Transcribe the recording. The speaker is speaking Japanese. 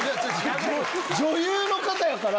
女優の方やから。